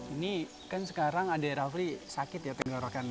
ini kan sekarang adik rafli sakit ya penggorengannya